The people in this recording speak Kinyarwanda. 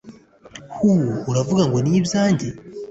huh? uravuga ngo ni ibyanjye